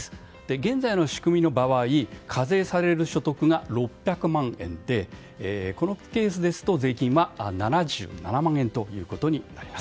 現在の仕組みの場合課税される所得が６００万円でこのケースですと税金は７７万円ということになります。